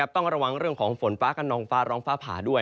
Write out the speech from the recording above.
ต้องระวังเรื่องของฝนฟ้ากระนองฟ้าร้องฟ้าผ่าด้วย